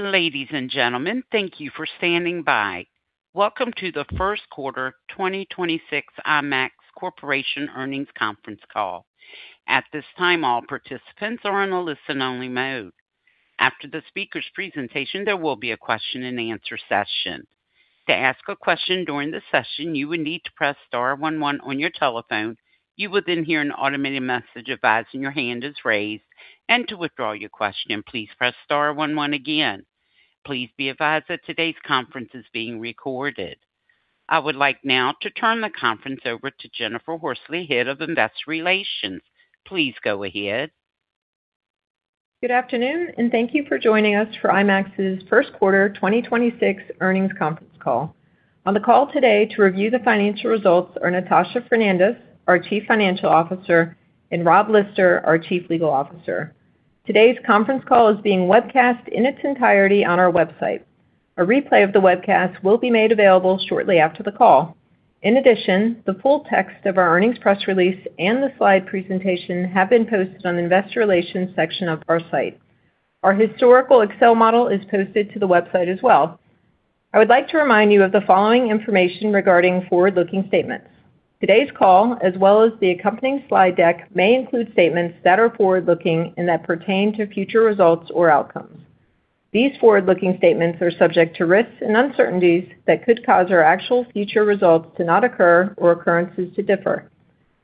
Ladies and gentlemen, thank you for standing by. Welcome to the first quarter 2026 IMAX Corporation earnings conference call. At this time, all participants are in a listen-only mode. After the speaker's presentation, there will be a question and answer session. To ask a question during the session, you will need to press star one one on your telephone. You will then hear an automated message advising your hand is raised, and to withdraw your question, please press star one one again. Please be advised that today's conference is being recorded. I would like now to turn the conference over to Jennifer Horsley, Head of Investor Relations. Please go ahead. Good afternoon. Thank you for joining us for IMAX's first quarter 2026 earnings conference call. On the call today to review the financial results are Natasha Fernandes, our Chief Financial Officer, and Rob Lister, our Chief Legal Officer. Today's conference call is being webcast in its entirety on our website. A replay of the webcast will be made available shortly after the call. The full text of our earnings press release and the slide presentation have been posted on the investor relations section of our site. Our historical Excel model is posted to the website as well. I would like to remind you of the following information regarding forward-looking statements. Today's call, as well as the accompanying slide deck, may include statements that are forward-looking and that pertain to future results or outcomes. These forward-looking statements are subject to risks and uncertainties that could cause our actual future results to not occur or occurrences to differ.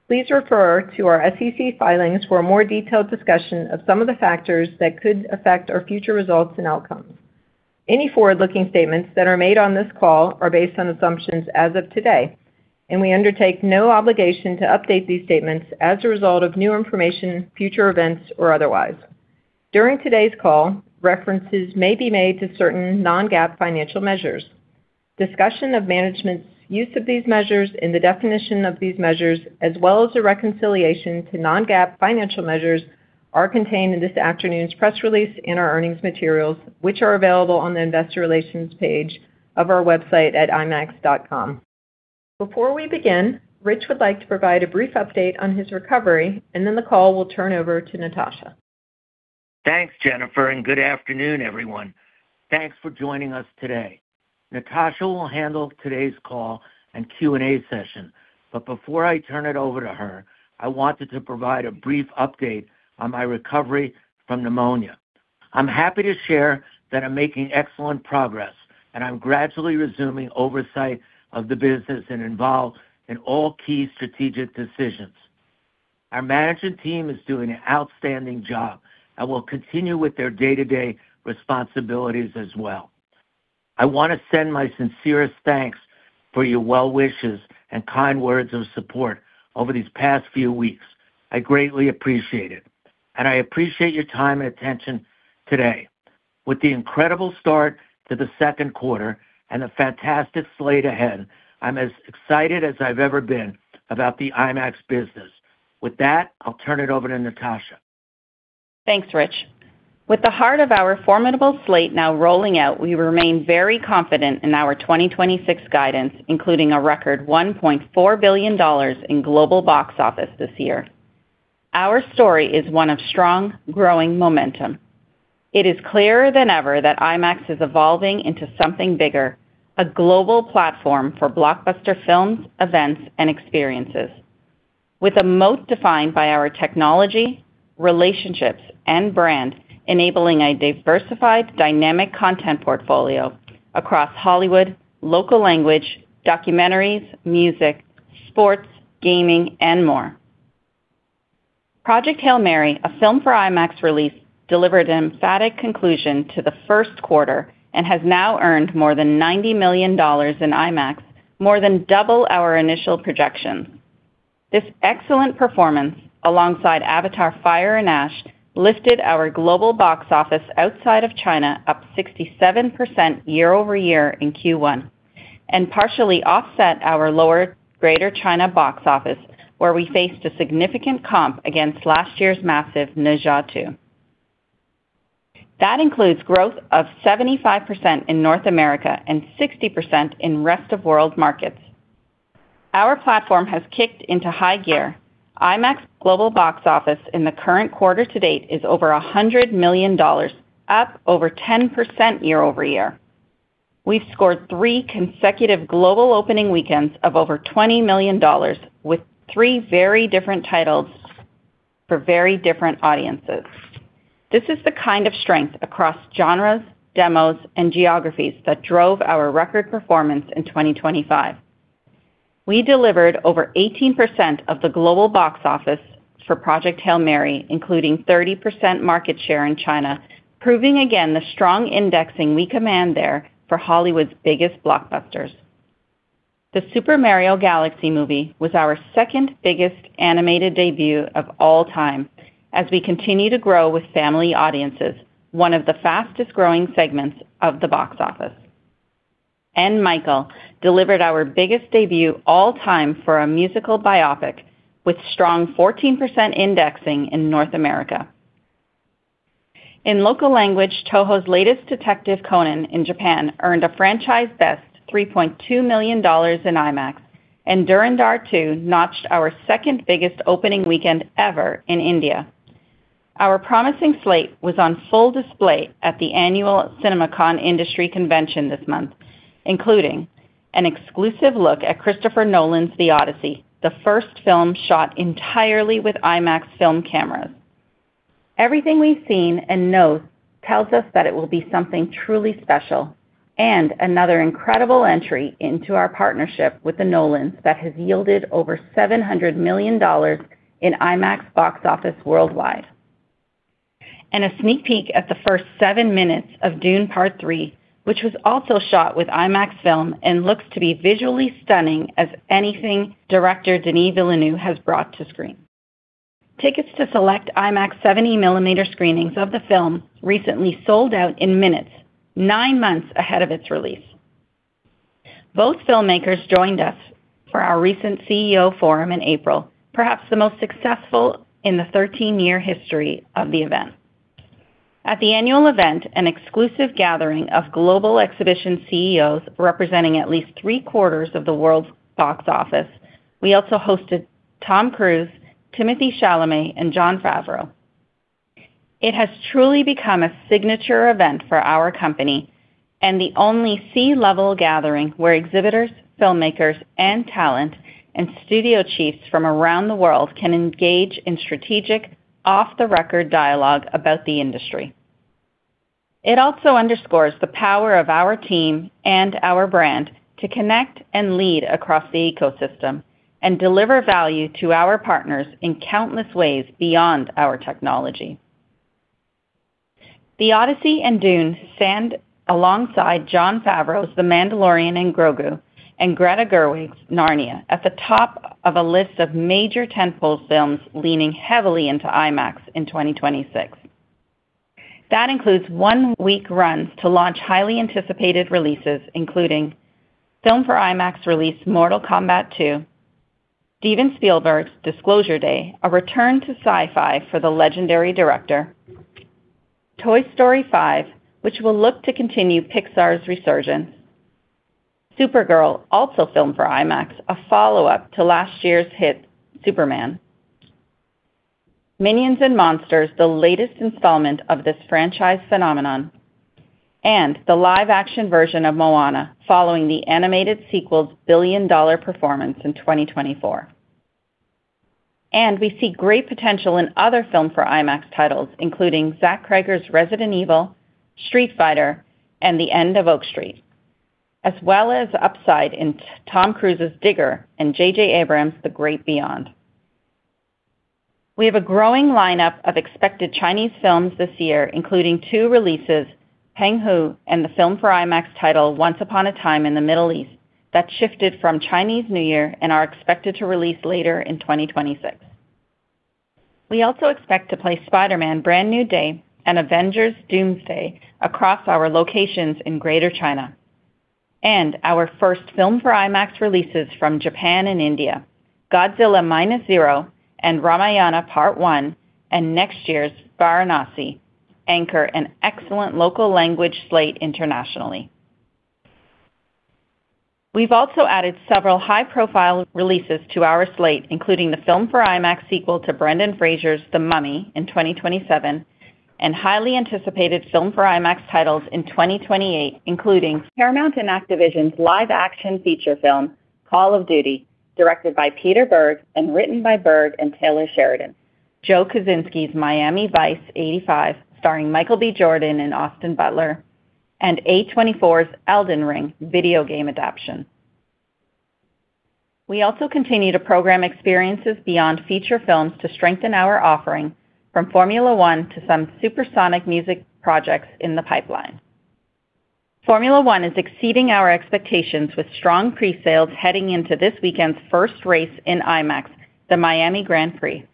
Please refer to our SEC filings for a more detailed discussion of some of the factors that could affect our future results and outcomes. Any forward-looking statements that are made on this call are based on assumptions as of today, and we undertake no obligation to update these statements as a result of new information, future events, or otherwise. During today's call, references may be made to certain non-GAAP financial measures. Discussion of management's use of these measures and the definition of these measures, as well as a reconciliation to non-GAAP financial measures are contained in this afternoon's press release and our earnings materials, which are available on the investor relations page of our website at imax.com. Before we begin, Rich would like to provide a brief update on his recovery, and then the call will turn over to Natasha. Thanks, Jennifer. Good afternoon, everyone. Thanks for joining us today. Natasha will handle today's call and Q&A session. Before I turn it over to her, I wanted to provide a brief update on my recovery from pneumonia. I'm happy to share that I'm making excellent progress, and I'm gradually resuming oversight of the business and involved in all key strategic decisions. Our management team is doing an outstanding job and will continue with their day-to-day responsibilities as well. I wanna send my sincerest thanks for your well wishes and kind words of support over these past few weeks. I greatly appreciate it, and I appreciate your time and attention today. With the incredible start to the second quarter and a fantastic slate ahead, I'm as excited as I've ever been about the IMAX business. With that, I'll turn it over to Natasha. Thanks, Rich. With the heart of our formidable slate now rolling out, we remain very confident in our 2026 guidance, including a record $1.4 billion in global box office this year. Our story is one of strong, growing momentum. It is clearer than ever that IMAX is evolving into something bigger, a global platform for blockbuster films, events, and experiences with a moat defined by our technology, relationships, and brand, enabling a diversified dynamic content portfolio across Hollywood, local language, documentaries, music, sports, gaming, and more. Project Hail Mary, a film for IMAX release, delivered an emphatic conclusion to the first quarter and has now earned more than $90 million in IMAX, more than double our initial projections. This excellent performance, alongside Avatar: Fire and Ash, lifted our global box office outside of China up 67% year-over-year in Q1 and partially offset our lower Greater China box office, where we faced a significant comp against last year's massive Ne Zha 2. That includes growth of 75% in North America and 60% in rest of world markets. Our platform has kicked into high gear. IMAX global box office in the current quarter-to-date is over $100 million, up over 10% year-over-year. We've scored three consecutive global opening weekends of over $20 million, with three very different titles for very different audiences. This is the kind of strength across genres, demos, and geographies that drove our record performance in 2025. We delivered over 18% of the global box office for Project Hail Mary, including 30% market share in China, proving again the strong indexing we command there for Hollywood's biggest blockbusters. The Super Mario Galaxy Movie was our second-biggest animated debut of all time as we continue to grow with family audiences, one of the fastest-growing segments of the box office. Michael delivered our biggest debut all time for a musical biopic with strong 14% indexing in North America. In local language, Toho's latest Detective Conan in Japan earned a franchise best $3.2 million in IMAX. Dune: Part Two notched our second-biggest opening weekend ever in India. Our promising slate was on full display at the annual CinemaCon Industry Convention this month, including an exclusive look at Christopher Nolan's The Odyssey, the first film shot entirely with IMAX film cameras. Everything we've seen and know tells us that it will be something truly special and another incredible entry into our partnership with the Nolans that has yielded over $700 million in IMAX box office worldwide. A sneak peek at the first seven minutes of Dune: Part Three, which was also shot with IMAX film and looks to be visually stunning as anything Director Denis Villeneuve has brought to screen. Tickets to select IMAX 70mm screenings of the film recently sold out in minutes, nine months ahead of its release. Both filmmakers joined us for our recent CEO Forum in April, perhaps the most successful in the 13-year history of the event. At the annual event, an exclusive gathering of global exhibition CEOs representing at least 3/4s of the world's box office, we also hosted Tom Cruise, Timothée Chalamet, and Jon Favreau. It has truly become a signature event for our company and the only C-level gathering where exhibitors, filmmakers, and talent, and studio chiefs from around the world can engage in strategic, off-the-record dialogue about the industry. It also underscores the power of our team and our brand to connect and lead across the ecosystem and, deliver value to our partners in countless ways beyond our technology. The Odyssey and Dune stand alongside Jon Favreau's The Mandalorian and Grogu and Greta Gerwig's Narnia at the top of a list of major tentpole films leaning heavily into IMAX in 2026. That includes one-week runs to launch highly anticipated releases, including Filmed for IMAX release Mortal Kombat II, Steven Spielberg's Disclosure Day, a return to sci-fi for the legendary director, Toy Story 5, which will look to continue Pixar's resurgence. Supergirl, also Filmed for IMAX, a follow-up to last year's hit Superman. Minions & Monsters, the latest installment of this franchise phenomenon, and the live-action version of Moana, following the animated sequel's billion-dollar performance in 2024. We see great potential in other Filmed for IMAX titles, including Zach Cregger's Resident Evil, Street Fighter, and The End of Oak Street, as well as upside in Tom Cruise's Digger and J.J. Abrams' The Great Beyond. We have a growing lineup of expected Chinese films this year, including two releases, Penghu and the film for IMAX title Once Upon a Time in the Middle East, that shifted from Chinese New Year and are expected to release later in 2026. We also expect to play Spider-Man: Brand New Day and Avengers: Doomsday across our locations in Greater China. Our first film for IMAX releases from Japan and India, Godzilla Minus Zero and Ramayana: Part One and next year's Varanasi anchor an excellent local language slate internationally. We've also added several high-profile releases to our slate, including the Filmed for IMAX sequel to Brendan Fraser's The Mummy in 2027 and highly anticipated film for IMAX titles in 2028, including Paramount and Activision's live-action feature film, Call of Duty, directed by Peter Berg and written by Berg and Taylor Sheridan. Joe Kosinski's Miami Vice '85, starring Michael B. Jordan and Austin Butler, and A24's Elden Ring video game adaptation. We also continue to program experiences beyond feature films to strengthen our offering from Formula 1 to some supersonic music projects in the pipeline. Formula 1 is exceeding our expectations with strong pre-sales heading into this weekend's first race in IMAX, the Miami Grand Prix.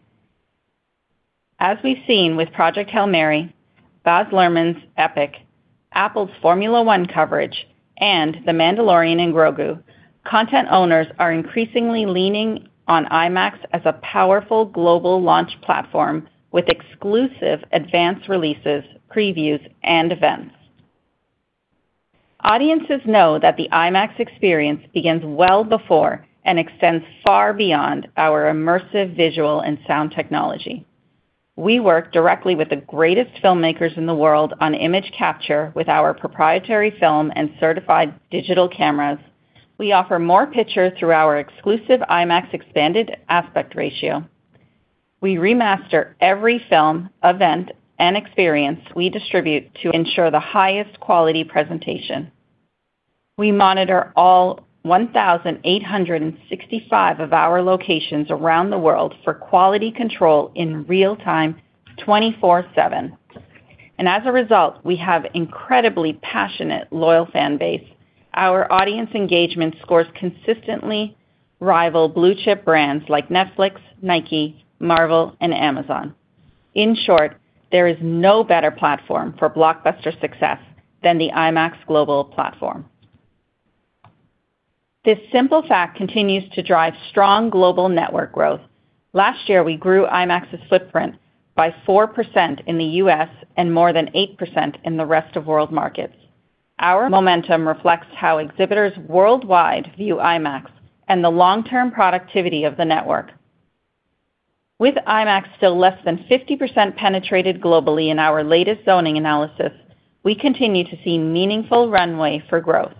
As we've seen with Project Hail Mary, Baz Luhrmann's EPiC, Apple's Formula 1 coverage, and The Mandalorian and Grogu, content owners are increasingly leaning on IMAX as a powerful global launch platform with exclusive advanced releases, previews, and events. Audiences know that the IMAX experience begins well before and extends far beyond our immersive visual and sound technology. We work directly with the greatest filmmakers in the world on image capture with our proprietary film and certified digital cameras. We offer more picture through our exclusive IMAX expanded aspect ratio. We remaster every film, event, and experience we distribute to ensure the highest quality presentation. We monitor all 1,865 of our locations around the world for quality control in real-time, 24/7. As a result, we have incredibly passionate, loyal fan base. Our audience engagement scores consistently rival blue-chip brands like Netflix, Nike, Marvel, and Amazon. In short, there is no better platform for blockbuster success than the IMAX global platform. This simple fact continues to drive strong global network growth. Last year, we grew IMAX's footprint by 4% in the U.S. and more than 8% in the rest of world markets. Our momentum reflects how exhibitors worldwide view IMAX and the long-term productivity of the network. With IMAX still less than 50% penetrated globally in our latest zoning analysis, we continue to see meaningful runway for growth.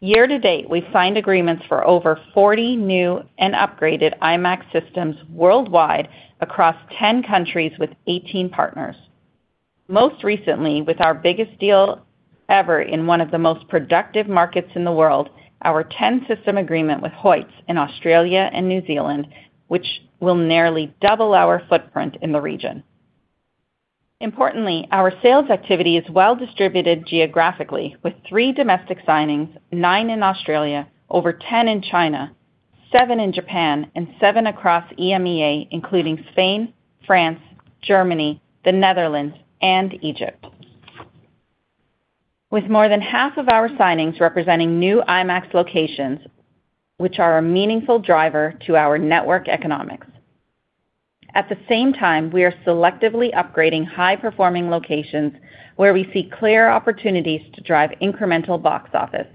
Year-to-date, we signed agreements for over 40 new and upgraded IMAX systems worldwide across 10 countries with 18 partners. Most recently, with our biggest deal ever in one of the most productive markets in the world, our 10-system agreement with HOYTS in Australia and New Zealand, which will nearly double our footprint in the region. Importantly, our sales activity is well-distributed geographically with three domestic signings, nine in Australia, over 10 in China, seven in Japan, and seven across EMEA, including Spain, France, Germany, the Netherlands, and Egypt. With more than half of our signings representing new IMAX locations, which are a meaningful driver to our network economics. At the same time, we are selectively upgrading high-performing locations where we see clear opportunities to drive incremental box office.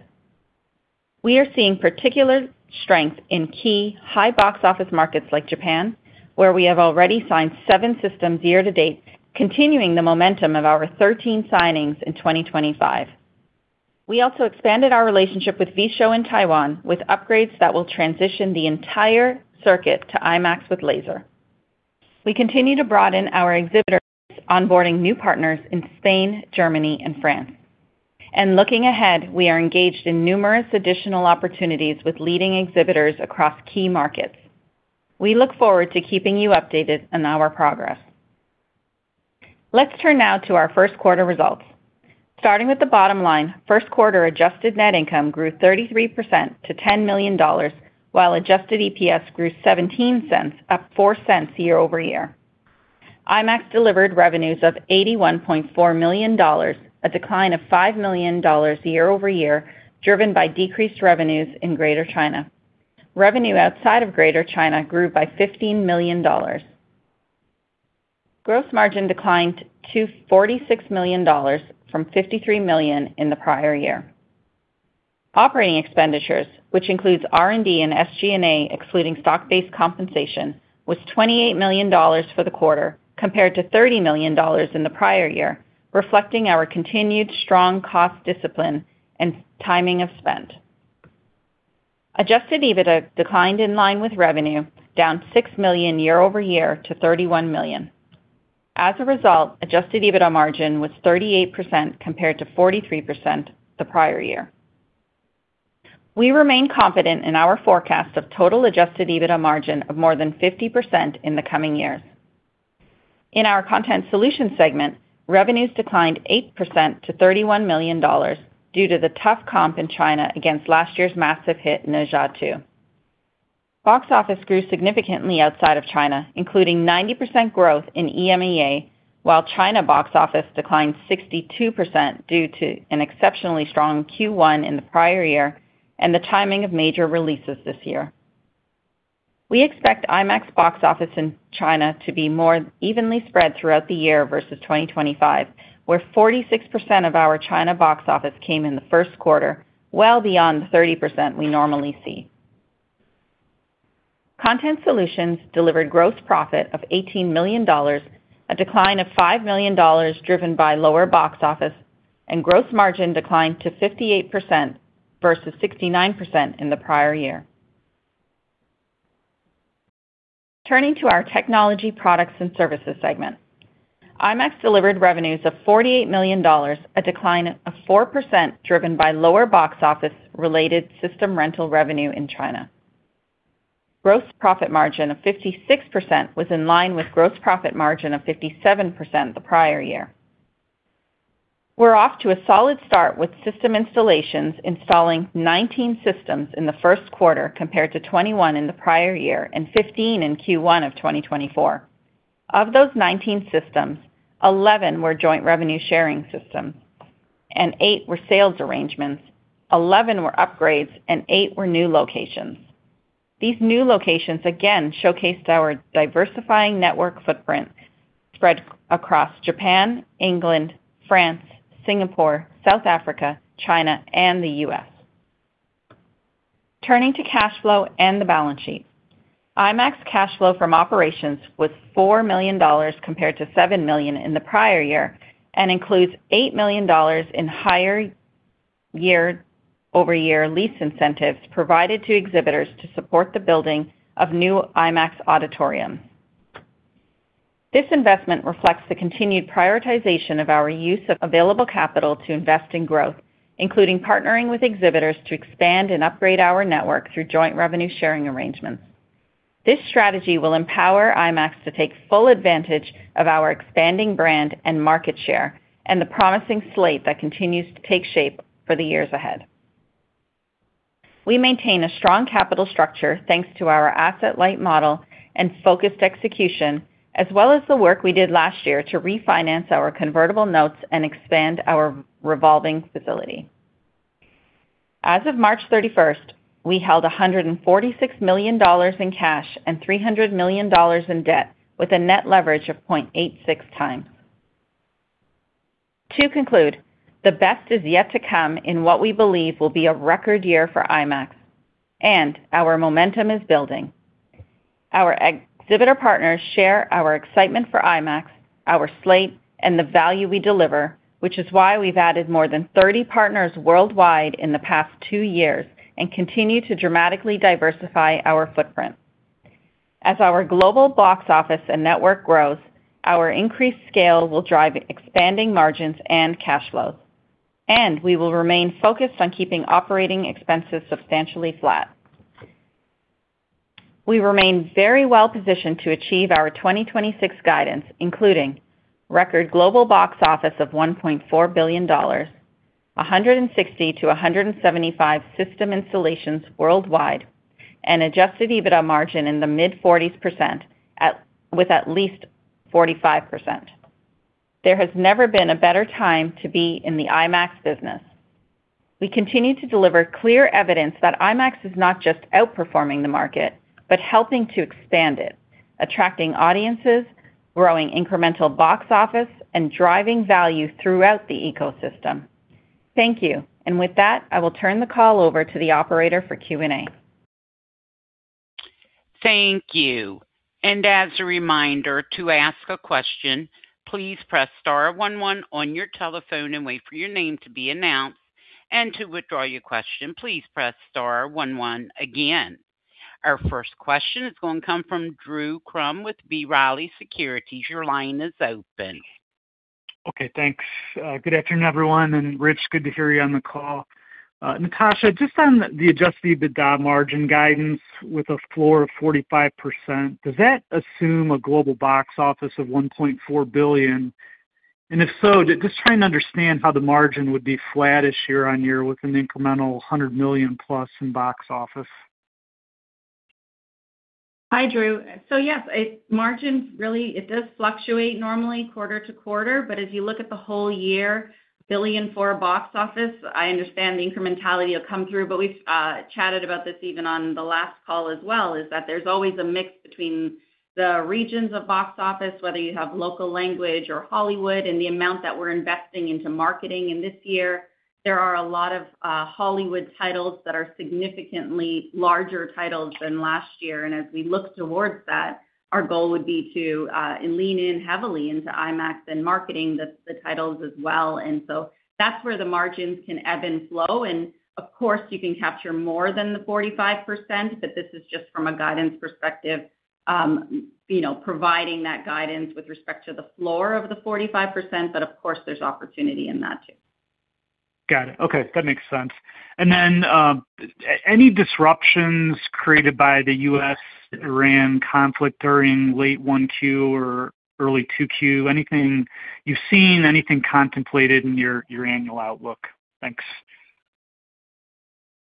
We are seeing particular strength in key high box office markets like Japan, where we have already signed seven systems year-to-date, continuing the momentum of our 13 signings in 2025. We also expanded our relationship with VieShow in Taiwan with upgrades that will transition the entire circuit to IMAX with Laser. We continue to broaden our exhibitor, onboarding new partners in Spain, Germany, and France. Looking ahead, we are engaged in numerous additional opportunities with leading exhibitors across key markets. We look forward to keeping you updated on our progress. Let's turn now to our first quarter results. Starting with the bottom line, first quarter adjusted net income grew 33% to $10 million, while adjusted EPS grew $0.17, up $0.04 year-over-year. IMAX delivered revenues of $81.4 million, a decline of $5 million year-over-year, driven by decreased revenues in Greater China. Revenue outside of Greater China grew by $15 million. Gross margin declined to $46 million from $53 million in the prior year. Operating expenditures, which includes R&D and SG&A, excluding stock-based compensation, was $28 million for the quarter compared to $30 million in the prior year, reflecting our continued strong cost discipline and timing of spend. Adjusted EBITDA declined in line with revenue, down $6 million year-over-year to $31 million. As a result, adjusted EBITDA margin was 38% compared to 43% the prior year. We remain confident in our forecast of total adjusted EBITDA margin of more than 50% in the coming years. In our Content Solutions segment, revenues declined 8% to $31 million due to the tough comp in China against last year's massive hit, Ne Zha 2. Box office grew significantly outside of China, including 90% growth in EMEA, while China box office declined 62% due to an exceptionally strong Q1 in the prior year and the timing of major releases this year. We expect IMAX box office in China to be more evenly spread throughout the year versus 2025, where 46% of our China box office came in the first quarter, well beyond the 30% we normally see. Content Solutions delivered gross profit of $18 million, a decline of $5 million driven by lower box office, and gross margin declined to 58% versus 69% in the prior year. Turning to our Technology Products and Services segment. IMAX delivered revenues of $48 million, a decline of 4% driven by lower box office-related system rental revenue in China. Gross profit margin of 56% was in line with gross profit margin of 57% the prior year. We're off to a solid start with system installations, installing 19 systems in the first quarter compared to 21 in the prior year and 15 in Q1 of 2024. Of those 19 systems, 11 were joint revenue sharing systems and eight were sales arrangements, 11 were upgrades, and eight were new locations. These new locations again showcased our diversifying network footprint spread across Japan, England, France, Singapore, South Africa, China, and the U.S. Turning to cash flow and the balance sheet. IMAX cash flow from operations was $4 million compared to $7 million in the prior year and includes $8 million in higher year-over-year lease incentives provided to exhibitors to support the building of new IMAX auditoriums. This investment reflects the continued prioritization of our use of available capital to invest in growth, including partnering with exhibitors to expand and upgrade our network through joint revenue sharing arrangements. This strategy will empower IMAX to take full advantage of our expanding brand and market share and the promising slate that continues to take shape for the years ahead. We maintain a strong capital structure, thanks to our asset light model and focused execution, as well as the work we did last year to refinance our convertible notes and expand our revolving facility. As of March 31st, we held $146 million in cash and $300 million in debt, with a net leverage of 0.86x. To conclude, the best is yet to come in what we believe will be a record year for IMAX, and our momentum is building. Our exhibitor partners share our excitement for IMAX, our slate, and the value we deliver, which is why we've added more than 30 partners worldwide in the past two years and continue to dramatically diversify our footprint. As our global box office and network grows, our increased scale will drive expanding margins and cash flows, and we will remain focused on keeping operating expenses substantially flat. We remain very well-positioned to achieve our 2026 guidance, including record global box office of $1.4 billion, 160 system-175 system installations worldwide, and adjusted EBITDA margin in the mid-40%s with at least 45%. There has never been a better time to be in the IMAX business. We continue to deliver clear evidence that IMAX is not just outperforming the market but helping to expand it, attracting audiences, growing incremental box office, and driving value throughout the ecosystem. Thank you. With that, I will turn the call over to the operator for Q&A. Thank you. As a reminder, to ask a question, please press star one one on your telephone and wait for your name to be announced. To withdraw your question, please press star one one again. Our first question is gonna come from Drew Crum with B. Riley Securities. Your line is open. Okay, thanks. Good afternoon, everyone. Rich, good to hear you on the call. Natasha, just on the adjusted EBITDA margin guidance with a floor of 45%, does that assume a global box office of $1.4 billion? If so, just trying to understand how the margin would be flattish year-on-year with an incremental $100 million+ in box office. Hi, Drew. Yes, margins really, it does fluctuate normally quarter-to-quarter, but if you look at the whole year, billion for a box office, I understand the incrementality will come through. We've chatted about this even on the last call as well, is that there's always a mix between the regions of box office, whether you have local language or Hollywood and the amount that we're investing into marketing. This year there are a lot of Hollywood titles that are significantly larger titles than last year. As we look towards that, our goal would be to lean in heavily into IMAX and marketing, the titles as well. That's where the margins can ebb and flow. Of course, you can capture more than the 45%. This is just from a guidance perspective, you know, providing that guidance with respect to the floor of the 45%. Of course, there's opportunity in that too. Got it. Okay, that makes sense. Any disruptions created by the U.S.-Iran conflict during late 1Q or early 2Q? Anything you've seen, anything contemplated in your annual outlook? Thanks.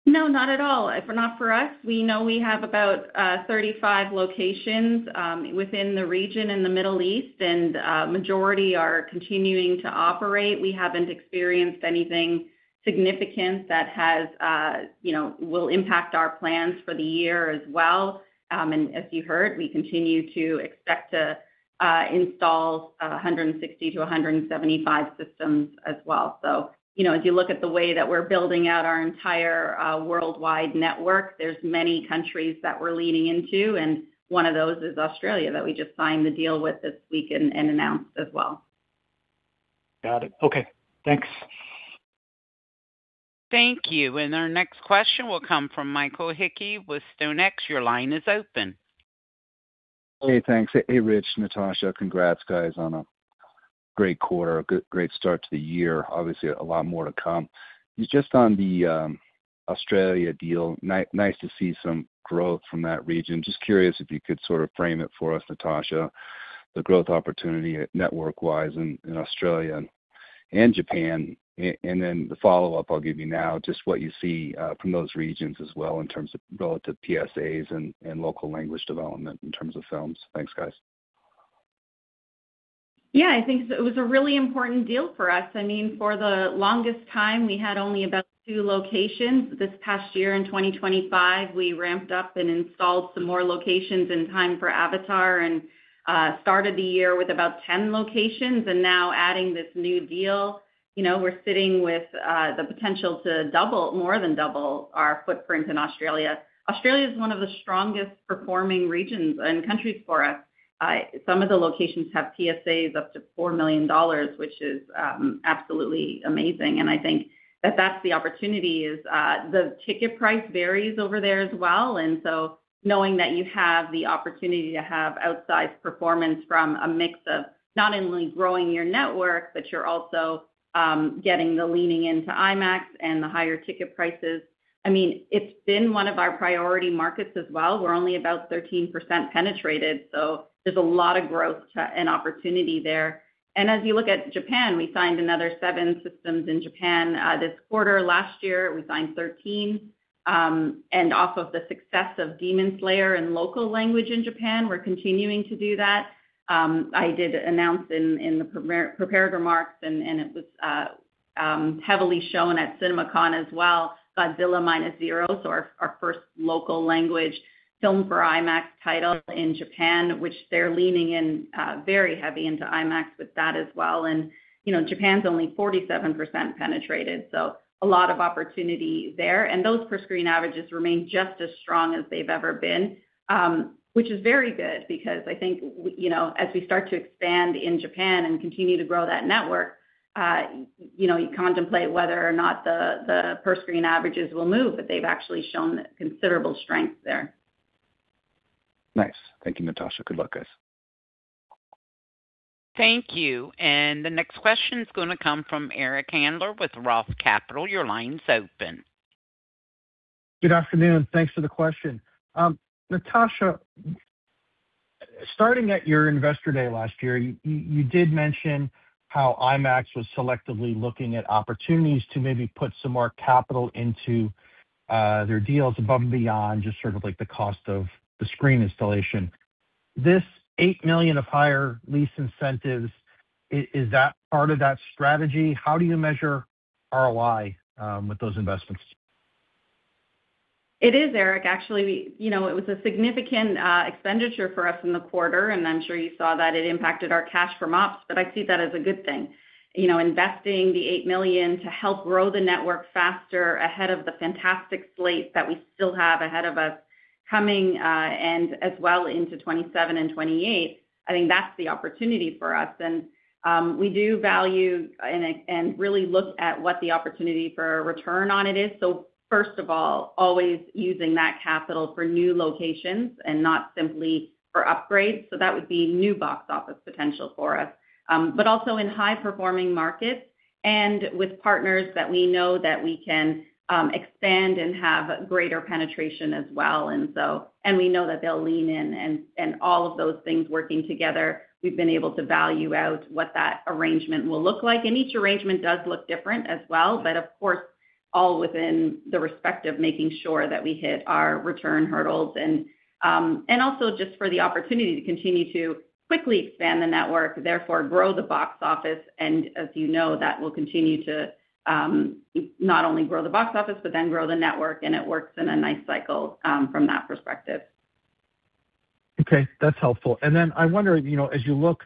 No, not at all. If not for us, we know we have about 35 locations within the region in the Middle East, and majority are continuing to operate. We haven't experienced anything significant that has, you know, will impact our plans for the year as well. As you heard, we continue to expect to install 160 system-175 systems as well. You know, if you look at the way that we're building out our entire worldwide network, there's many countries that we're leaning into, and one of those is Australia that we just signed the deal with this week and announced as well. Got it. Okay, thanks. Thank you. Our next question will come from Michael Hickey with StoneX. Your line is open. Hey, thanks. Hey, Rich, Natasha. Congrats guys on a great quarter. A great start to the year. Obviously, a lot more to come. Just on the Australia deal. Nice to see some growth from that region. Just curious if you could sort of frame it for us, Natasha, the growth opportunity network-wise in Australia and Japan. The follow-up I'll give you now, just what you see from those regions as well in terms of relative PSAs and local language development in terms of films. Thanks, guys. Yeah. I think it was a really important deal for us. I mean, for the longest time, we had only about two locations. This past year in 2025, we ramped up and installed some more locations in time for Avatar and started the year with about 10 locations. Now adding this new deal, you know, we're sitting with the potential to more than double our footprint in Australia. Australia is one of the strongest performing regions and countries for us. Some of the locations have PSAs up to $4 million, which is absolutely amazing, and I think that that's the opportunity is the ticket price varies over there as well. Knowing that you have the opportunity to have outsized performance from a mix of not only growing your network, but you're also getting the leaning into IMAX and the higher ticket prices. I mean, it's been one of our priority markets as well. We're only about 13% penetrated, so there's a lot of growth and opportunity there. As you look at Japan, we signed another seven systems in Japan this quarter. Last year, we signed 13. Off of the success of Demon Slayer in local language in Japan, we're continuing to do that. I did announce in the prepared remarks and it was heavily shown at CinemaCon as well, Godzilla Minus Zero, so our first local language film for IMAX title in Japan, which they're leaning in very heavy into IMAX with that as well. You know, Japan's only 47% penetrated, so a lot of opportunity there. Those per screen averages remain just as strong as they've ever been, which is very good because I think you know, as we start to expand in Japan and continue to grow that network, you know, you contemplate whether or not the per screen averages will move, but they've actually shown considerable strength there. Nice. Thank you, Natasha. Good luck, guys. Thank you. The next question's gonna come from Eric Handler with ROTH Capital. Your line's open. Good afternoon. Thanks for the question. Natasha, starting at your Investor Day last year, you did mention how IMAX was selectively looking at opportunities to maybe put some more capital into their deals above and beyond just sort of like the cost of the screen installation. This $8 million of higher lease incentives is that part of that strategy? How do you measure ROI with those investments? It is Eric. Actually, you know, it was a significant expenditure for us in the quarter, and I'm sure you saw that it impacted our cash from ops. I see that as a good thing. You know, investing the $8 million to help grow the network faster ahead of the fantastic slate that we still have ahead of us coming, and as well into 2027 and 2028, I think that's the opportunity for us. We do value and really look at what the opportunity for a return on it is. First of all, always using that capital for new locations and not simply for upgrades. That would be new box office potential for us. Also in high performing markets and with partners that we know that we can expand and have greater penetration as well. We know that they'll lean in and all of those things working together, we've been able to value out what that arrangement will look like. Each arrangement does look different as well. Of course, all within the respect of making sure that we hit our return hurdles and also just for the opportunity to continue to quickly expand the network, therefore grow the box office. As you know, that will continue to not only grow the box office, but then grow the network, and it works in a nice cycle from that perspective. Okay. That's helpful. I wonder, you know, as you look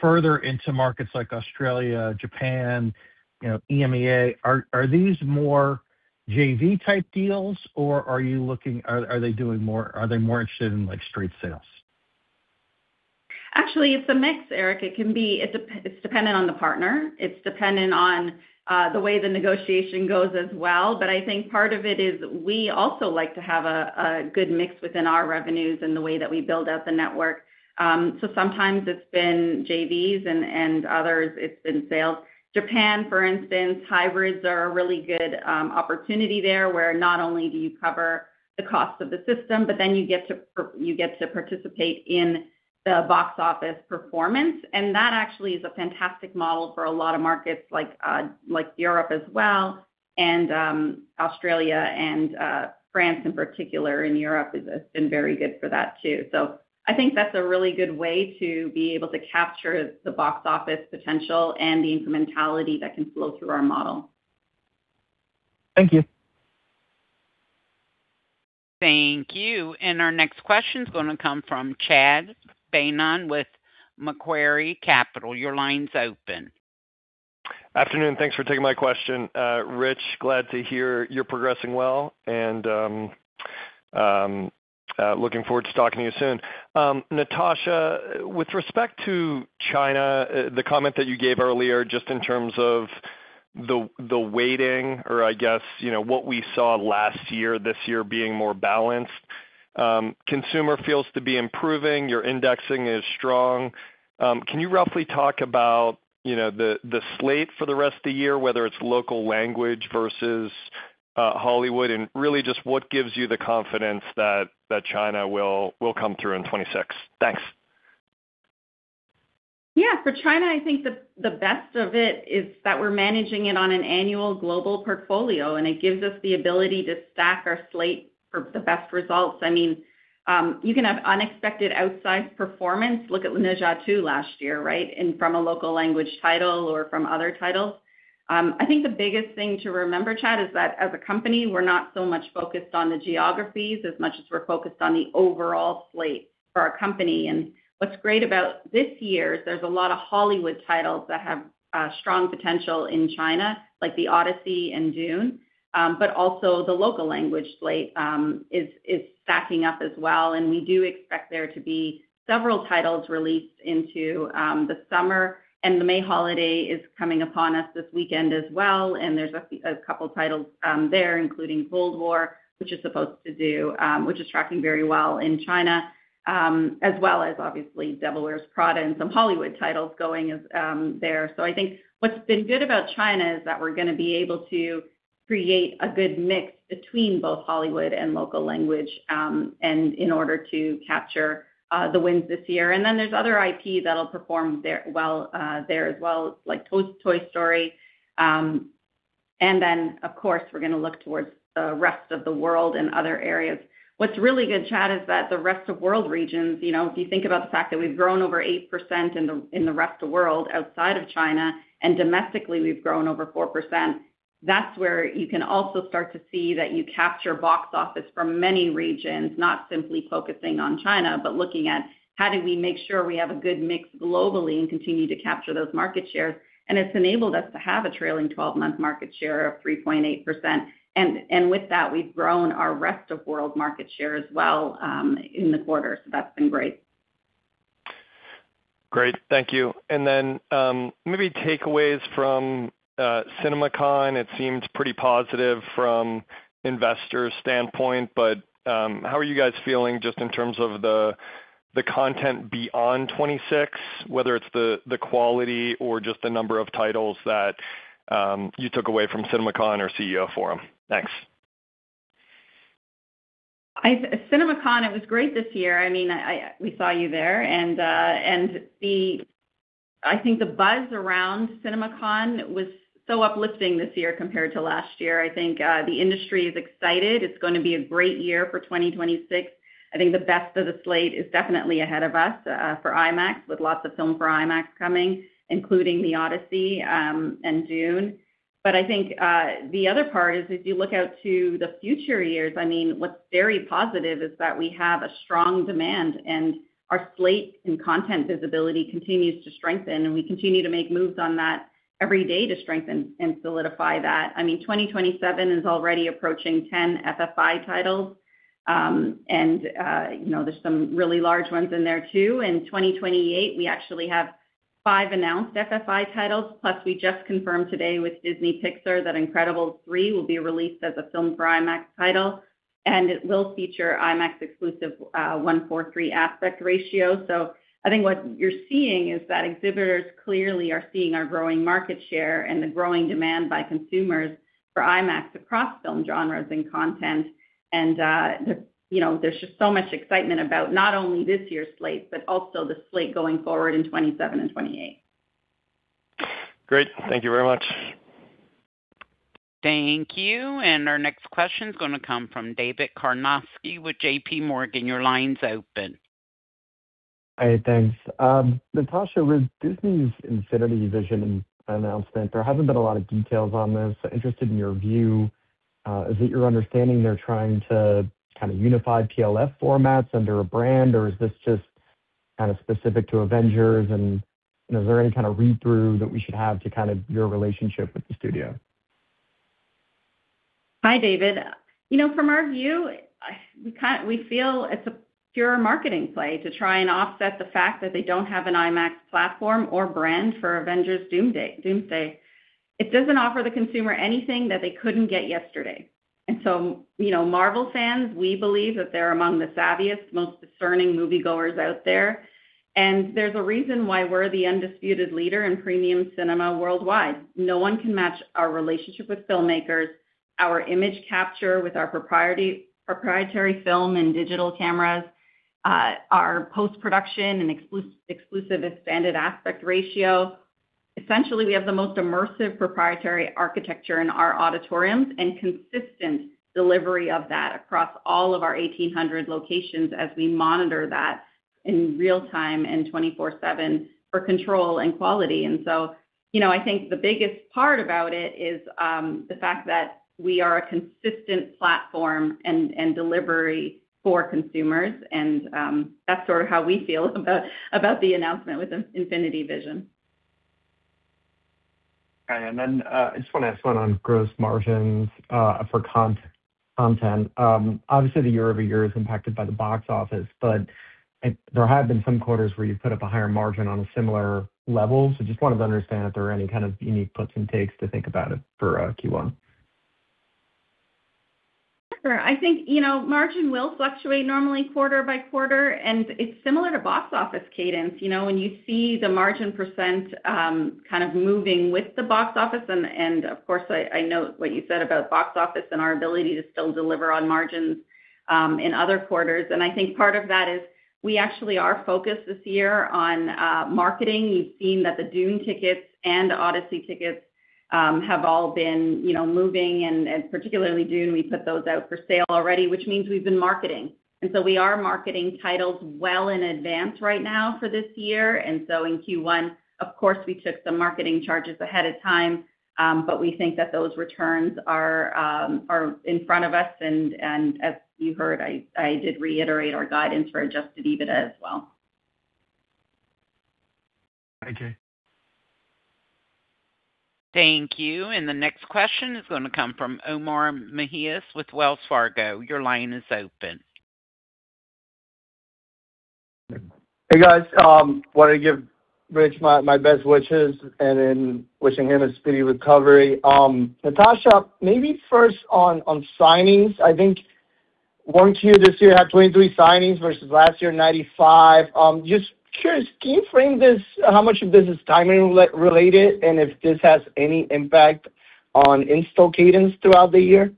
further into markets like Australia, Japan, you know, EMEA, are these more JV type deals, or are they doing more, are they more interested in like straight sales? Actually, it's a mix, Eric. It's dependent on the partner. It's dependent on the way the negotiation goes as well. I think part of it is we also like to have a good mix within our revenues and the way that we build out the network. Sometimes it's been JVs and others, it's been sales. Japan, for instance, hybrids are a really good opportunity there, where not only do you cover the cost of the system, but then you get to participate in the box office performance. That actually is a fantastic model for a lot of markets like Europe as well and Australia and France in particular in Europe has been very good for that too. I think that's a really good way to be able to capture the box office potential and the incrementality that can flow through our model. Thank you. Thank you. Our next question's gonna come from Chad Beynon with Macquarie Capital. Your line's open. Afternoon. Thanks for taking my question. Rich, glad to hear you're progressing well and looking forward to talking to you soon. Natasha, with respect to China, the comment that you gave earlier, just in terms of the weighting, or I guess, you know, what we saw last year, this year being more balanced, consumer feels to be improving, your indexing is strong. Can you roughly talk about, you know, the slate for the rest of the year, whether it's local language versus Hollywood, and really just what gives you the confidence that China will come through in 2026? Thanks. Yeah. For China, I think the best of it is that we're managing it on an annual global portfolio, and it gives us the ability to stack our slate for the best results. I mean, you can have unexpected outsized performance. Look at Ne Zha 2 last year, right? From a local language title or from other titles. I think the biggest thing to remember, Chad, is that as a company, we're not so much focused on the geographies as much as we're focused on the overall slate for our company. What's great about this year is there's a lot of Hollywood titles that have strong potential in China, like The Odyssey and Dune, but also the local language slate is stacking up as well, and we do expect there to be several titles released into the summer, and the May holiday is coming upon us this weekend as well, and there's a couple titles there, including Cold War, which is supposed to do, which is tracking very well in China, as well as obviously The Devil Wears Prada and some Hollywood titles going there. I think what's been good about China is that we're gonna be able to create a good mix between both Hollywood and local language, and in order to capture the wins this year. There's other IP that'll perform there as well, like Toy Story. Of course, we're gonna look towards the rest of the world and other areas. What's really good, Chad, is that the rest of world regions, you know, if you think about the fact that we've grown over 8% in the rest of world outside of China, and domestically we've grown over 4%. That's where you can also start to see that you capture box office from many regions, not simply focusing on China, but looking at how do we make sure we have a good mix globally and continue to capture those market shares. It's enabled us to have a trailing 12-month market share of 3.8%. With that, we've grown our rest of world market share as well in the quarter. That's been great. Great. Thank you. Maybe takeaways from CinemaCon. It seems pretty positive from investors' standpoint, but how are you guys feeling just in terms of the content beyond 2026, whether it's the quality or just the number of titles that you took away from CinemaCon or CEO Forum? Thanks. CinemaCon, it was great this year. I mean, we saw you there. I think the buzz around CinemaCon was so uplifting this year compared to last year. I think the industry is excited. It's gonna be a great year for 2026. I think the best of the slate is definitely ahead of us for IMAX, with lots of film for IMAX coming, including The Odyssey and Dune. I think the other part is if you look out to the future years, I mean, what's very positive is that we have a strong demand, and our slate and content visibility continues to strengthen, and we continue to make moves on that every day to strengthen and solidify that. I mean, 2027 is already approaching 10 FFI titles. You know, there's some really large ones in there too. In 2028, we actually have five announced FFI titles, plus we just confirmed today with Disney Pixar that Incredibles 3 will be released as a Filmed for IMAX title, and it will feature IMAX exclusive, 1.43:1 aspect ratio. I think what you're seeing is that exhibitors clearly are seeing our growing market share and the growing demand by consumers for IMAX across film genres and content. You know, there's just so much excitement about not only this year's slate but also the slate going forward in 2027 and 2028. Great. Thank you very much. Thank you. Our next question is going to come from David Karnovsky with J.P. Morgan. Your line's open. Hey, thanks. Natasha, with Disney's Infinity Vision announcement, there hasn't been a lot of details on this. Interested in your view. Is it your understanding they're trying to kind of unify PLF formats under a brand, or is this just kind of specific to Avengers? You know, is there any kind of read-through that we should have to kind of your relationship with the studio? Hi, David. You know, from our view, we feel it's a pure marketing play to try and offset the fact that they don't have an IMAX platform or brand for Avengers: Doomsday. It doesn't offer the consumer anything that they couldn't get yesterday. You know, Marvel fans, we believe that they're among the savviest, most discerning moviegoers out there. There's a reason why we're the undisputed leader in premium cinema worldwide. No one can match our relationship with filmmakers, our image capture with our proprietary film and digital cameras, our post-production and exclusive IMAX expanded aspect ratio. Essentially, we have the most immersive proprietary architecture in our auditoriums and consistent delivery of that across all of our 1,800 locations as we monitor that in real-time and 24/7 for control and quality. You know, I think the biggest part about it is the fact that we are a consistent platform and delivery for consumers. That's sort of how we feel about the announcement with Infinity Vision. Okay. I just wanna ask one on gross margins, for content. Obviously, the year-over-year is impacted by the box office, but there have been some quarters where you've put up a higher margin on a similar level. Just wanted to understand if there are any kind of unique puts and takes to think about it for Q1. Sure. I think, you know, margin will fluctuate normally quarter-by-quarter. It's similar to box office cadence. You know, when you see the margin percent, kind of moving with the box office. Of course, I know what you said about box office and our ability to still deliver on margins in other quarters. I think part of that is we actually are focused this year on marketing. We've seen that the Dune tickets and the Odyssey tickets have all been, you know, moving. Particularly Dune, we put those out for sale already, which means we've been marketing. We are marketing titles well in advance right now for this year. In Q1, of course, we took some marketing charges ahead of time, but we think that those returns are in front of us. As you heard, I did reiterate our guidance for adjusted EBITDA as well. Thank you. Thank you. The next question is gonna come from Omar Mejias with Wells Fargo. Your line is open. Hey, guys. Wanted to give Rich my best wishes and then wishing him a speedy recovery. Natasha, maybe first on signings. I think 1Q this year had 23 signings versus last year, 95. Just curious, can you frame this, how much of this is timing related and if this has any impact on install cadence throughout the year?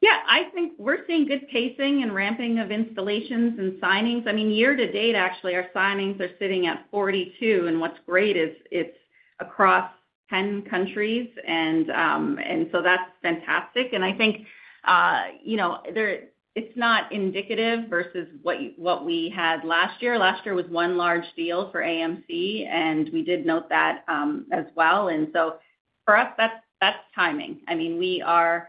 Yeah. I think we're seeing good pacing and ramping of installations and signings. I mean, year-to-date, actually, our signings are sitting at 42, and what's great is it's across 10 countries. That's fantastic. I think, you know, it's not indicative versus what we had last year. Last year was one large deal for AMC, and we did note that as well. For us, that's timing. I mean, we are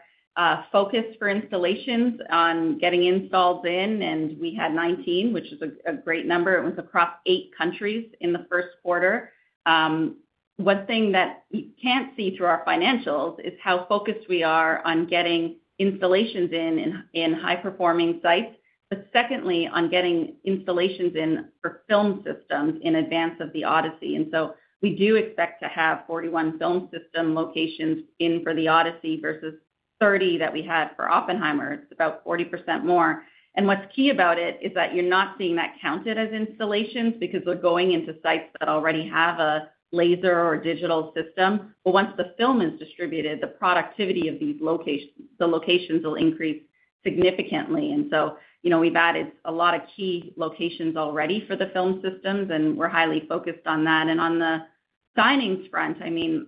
focused for installations on getting installs in, and we had 19, which is a great number. It was across eight countries in the first quarter. One thing that you can't see through our financials is how focused we are on getting installations in high-performing sites. Secondly, on getting installations in for film systems in advance of The Odyssey. We do expect to have 41 film system locations in for The Odyssey versus 30 that we had for Oppenheimer. It's about 40% more. What's key about it is that you're not seeing that counted as installations because they're going into sites that already have a laser or digital system. Once the film is distributed, the productivity of these locations will increase significantly. You know, we've added a lot of key locations already for the film systems, and we're highly focused on that. On the signings front, I mean,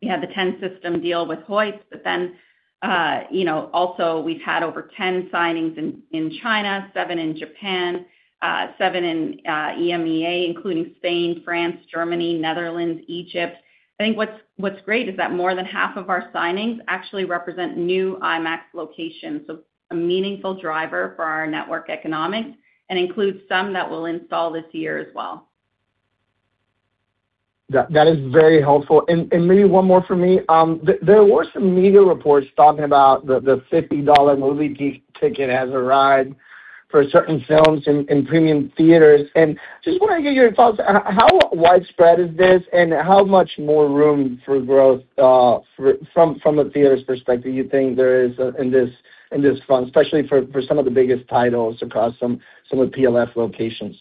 we had the 10-system deal with HOYTS, you know, also we've had over 10 signings in China, seven in Japan, seven in EMEA, including Spain, France, Germany, Netherlands, Egypt. I think what's great is that more than half of our signings actually represent new IMAX locations. A meaningful driver for our network economics and includes some that we'll install this year as well. That is very helpful. Maybe one more for me. There were some media reports talking about the $50 movie ticket as a ride for certain films in premium theaters. Just want to get your thoughts, how widespread is this and how much more room for growth from a theater's perspective you think there is in this front, especially for some of the biggest titles across some of the PLF locations?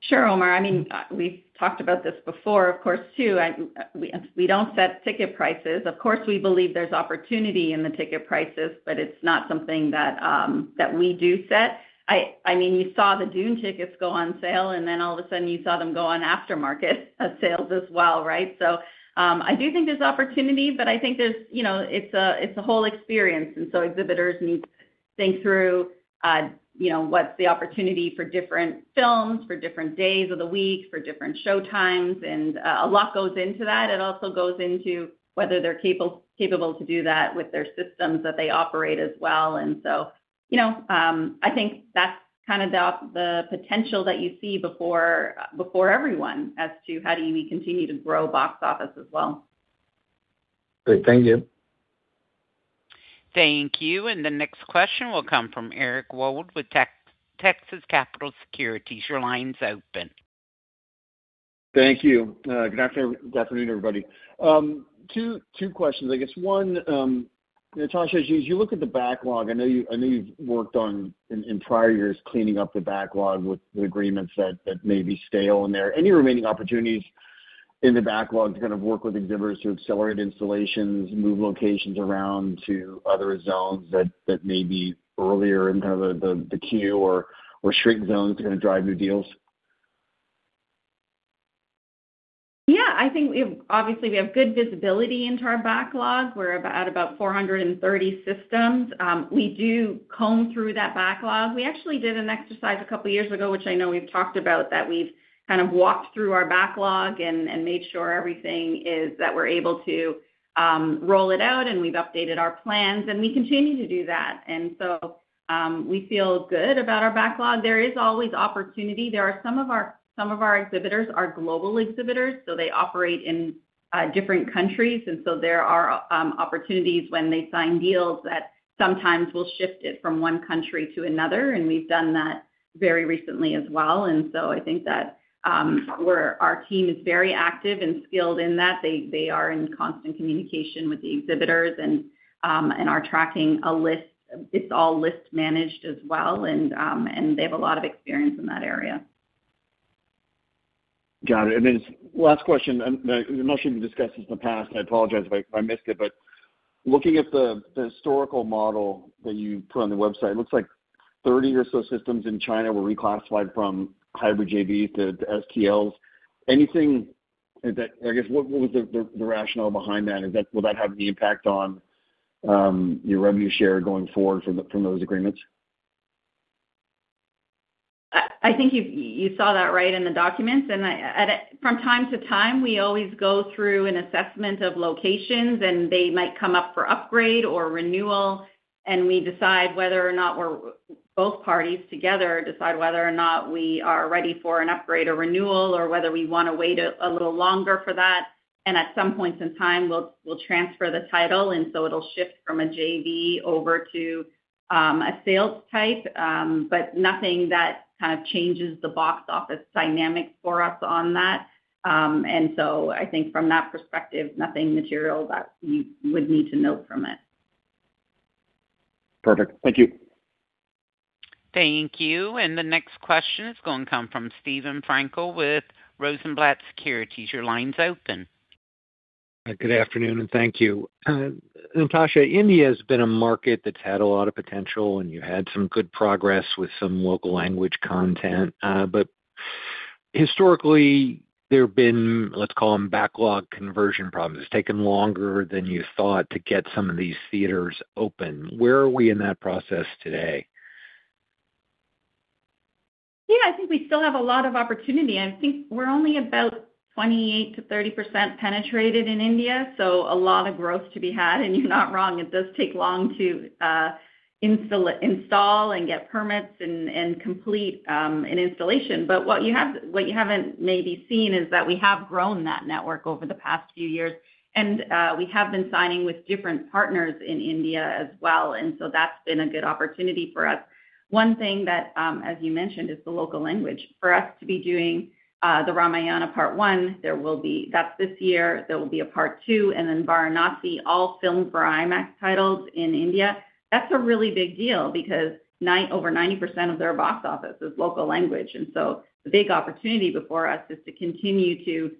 Sure, Omar. I mean, we've talked about this before, of course, too. We don't set ticket prices. Of course, we believe there's opportunity in the ticket prices, but it's not something that we do set. I mean, you saw the Dune tickets go on sale, then all of a sudden you saw them go on aftermarket sales as well, right? I do think there's opportunity, but I think there's, you know, it's a whole experience. Exhibitors need to think through, you know, what's the opportunity for different films, for different days of the week, for different show times, and a lot goes into that. It also goes into whether they're capable to do that with their systems that they operate as well. You know, I think that's kind of the potential that you see before everyone as to how do we continue to grow box office as well. Great. Thank you. Thank you. The next question will come from Eric Wold with Texas Capital Securities. Your line's open. Thank you. Good afternoon, everybody. Two questions. I guess one, Natasha, as you look at the backlog, I know you've worked on in prior years cleaning up the backlog with the agreements that may be stale in there. Any remaining opportunities in the backlog to work with exhibitors to accelerate installations, move locations around to other zones that may be earlier in the queue or shrink zones to drive new deals? Yeah. I think obviously, we have good visibility into our backlog. We're about 430 systems. We do comb through that backlog. We actually did an exercise a couple of years ago, which I know we've talked about, that we've kind of walked through our backlog and made sure everything is that we're able to roll it out, and we've updated our plans, and we continue to do that. We feel good about our backlog. There is always opportunity. There are some of our exhibitors are global exhibitors, so they operate in different countries. There are opportunities when they sign deals that sometimes we'll shift it from one country to another, and we've done that very recently as well. I think that our team is very active and skilled in that. They are in constant communication with the exhibitors and are tracking a list. It's all list managed as well and they have a lot of experience in that area. Got it. Last question, I know it should be discussed this in the past, and I apologize if I missed it. Looking at the historical model that you put on the website, it looks like 30 or so systems in China were reclassified from hybrid JV to STLs. I guess, what was the rationale behind that? Will that have any impact on your revenue share going forward from those agreements? I think you saw that right in the documents. From time to time, we always go through an assessment of locations, and they might come up for upgrade or renewal, and we decide whether or not both parties together decide whether or not we are ready for an upgrade or renewal, or whether we wanna wait a little longer for that. At some point in time, we'll transfer the title, and so it'll shift from a JV over to a sales type. Nothing that kind of changes the box office dynamic for us on that. I think from that perspective, nothing material that you would need to note from it. Perfect. Thank you. Thank you. The next question is going to come from Steven Frankel with Rosenblatt Securities. Your line's open. Good afternoon, and thank you. Natasha, India has been a market that's had a lot of potential, and you had some good progress with some local language content. Historically, there have been, let's call them backlog conversion problems. It's taken longer than you thought to get some of these theaters open. Where are we in that process today? I think we still have a lot of opportunity. I think we're only about 28%-30% penetrated in India, a lot of growth to be had. You're not wrong, it does take long to insta-install and get permits and complete an installation. What you haven't maybe seen is that we have grown that network over the past few years. We have been signing with different partners in India as well, that's been a good opportunity for us. One thing that, as you mentioned, is the local language. For us to be doing the Ramayana: Part One, that's this year. There will be a Part 2, Varanasi, all Filmed for IMAX titles in India. That's a really big deal because over 90% of their box office is local language. The big opportunity before us is to continue to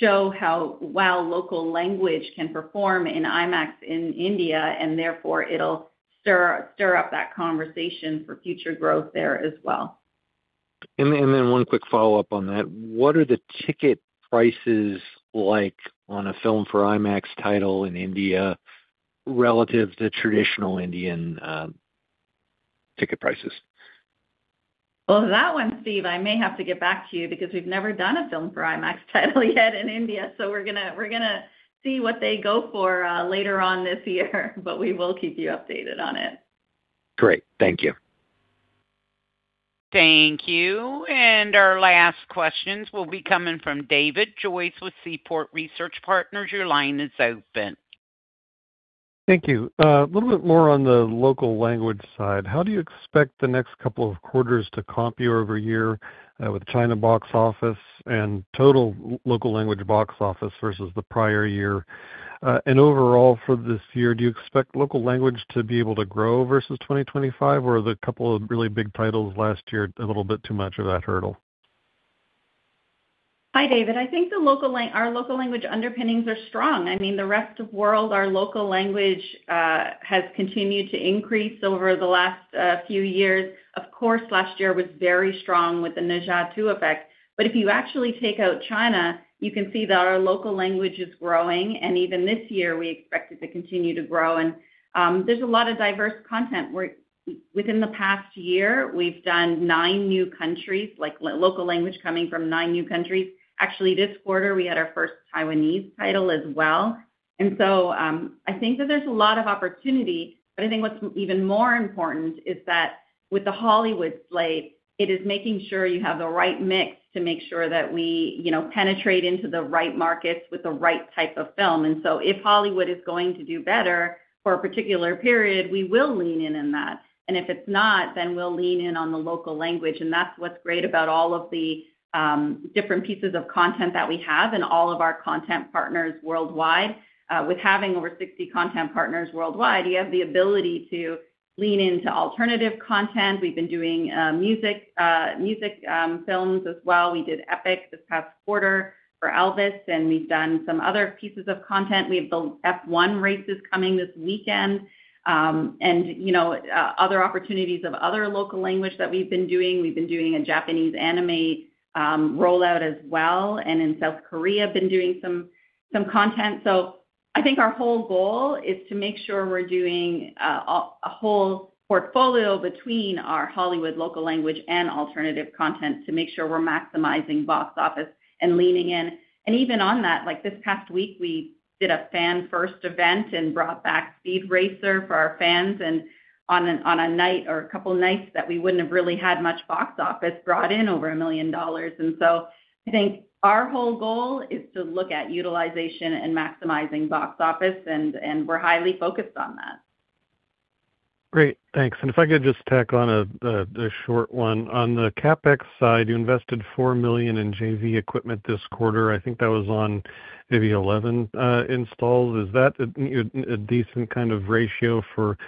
show how well local language can perform in IMAX in India, therefore it'll stir up that conversation for future growth there as well. One quick follow-up on that. What are the ticket prices like on a Filmed for IMAX title in India relative to traditional Indian ticket prices? Well, that one, Steve, I may have to get back to you because we've never done a Filmed for IMAX title yet in India, so we're gonna see what they go for later on this year. We will keep you updated on it. Great. Thank you. Thank you. Our last questions will be coming from David Joyce with Seaport Research Partners. Your line is open. Thank you. A little bit more on the local language side. How do you expect the next couple of quarters to comp year-over-year with China box office and total local language box office versus the prior year? Overall for this year, do you expect local language to be able to grow versus 2025, or are the couple of really big titles last year a little bit too much of that hurdle? Hi, David. I think our local language underpinnings are strong. I mean, the rest of world, our local language has continued to increase over the last few years. Of course, last year was very strong with the Ne Zha 2 effect. If you actually take out China, you can see that our local language is growing, and even this year we expect it to continue to grow. There's a lot of diverse content where within the past year, we've done nine new countries, like local language coming from nine new countries. Actually, this quarter, we had our first Taiwanese title as well. I think that there's a lot of opportunity, but I think what's even more important is that with the Hollywood slate, it is making sure you have the right mix to make sure that we, you know, penetrate into the right markets with the right type of film. If Hollywood is going to do better for a particular period, we will lean in in that. If it's not, then we'll lean in on the local language, and that's what's great about all of the different pieces of content that we have and all of our content partners worldwide. With having over 60 content partners worldwide, you have the ability to lean into alternative content. We've been doing music films as well. We did EPiC this past quarter for Elvis, and we've done some other pieces of content. We have the F1 races coming this weekend. You know, other opportunities of other local language that we've been doing. We've been doing a Japanese anime rollout as well, and in South Korea, been doing some content. I think our whole goal is to make sure we're doing a whole portfolio between our Hollywood local language and alternative content to make sure we're maximizing box office and leaning in. Even on that, like this past week, we did a fan-first event and brought back Speed Racer for our fans on a night or a couple of nights that we wouldn't have really had much box office brought in over $1 million. I think our whole goal is to look at utilization and maximizing box office, and we're highly focused on that. Great. Thanks. If I could just tack on a short one. On the CapEx side, you invested $4 million in JV equipment this quarter. I think that was on maybe 11 installs. Is that a decent kind of ratio for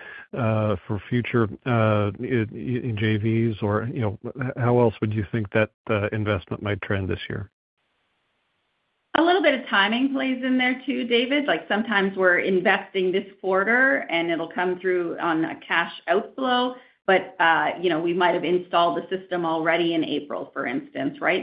future in JVs or, you know, how else would you think that investment might trend this year? A little bit of timing plays in there, too, David. Sometimes we're investing this quarter, and it'll come through on a cash outflow. You know, we might have installed the system already in April, for instance, right?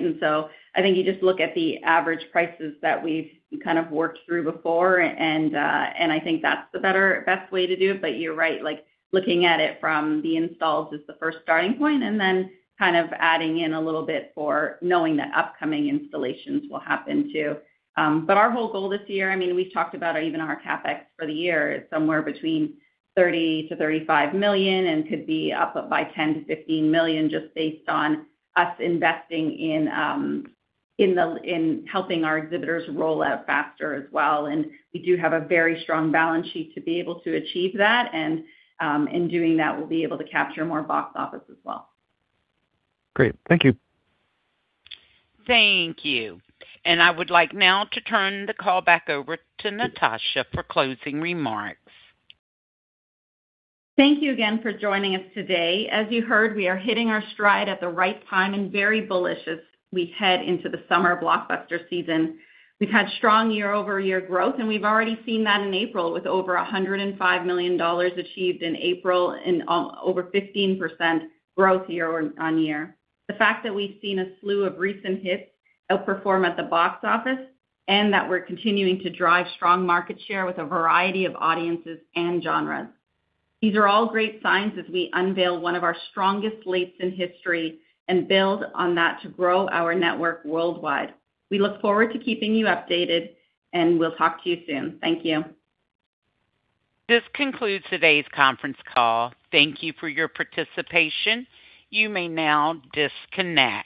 I think you just look at the average prices that we've kind of worked through before, and I think that's the better, best way to do it. You're right, like, looking at it from the installs is the first starting point and then kind of adding in a little bit for knowing that upcoming installations will happen, too. But our whole goal this year, I mean, we've talked about even our CapEx for the year is somewhere between $30 million-$35 million and could be up by $10 million-$15 million just based on us investing in helping our exhibitors roll out faster as well. We do have a very strong balance sheet to be able to achieve that. In doing that, we'll be able to capture more box office as well. Great. Thank you. Thank you. I would like now to turn the call back over to Natasha for closing remarks. Thank you again for joining us today. As you heard, we are hitting our stride at the right time and very bullish as we head into the summer blockbuster season. We've had strong year-over-year growth. We've already seen that in April with over $105 million achieved in April and over 15% growth year-on-year. The fact that we've seen a slew of recent hits outperform at the box office and that we're continuing to drive strong market share with a variety of audiences and genres, these are all great signs as we unveil one of our strongest slates in history and build on that to grow our network worldwide. We look forward to keeping you updated, and we'll talk to you soon. Thank you. This concludes today's conference call. Thank you for your participation. You may now disconnect.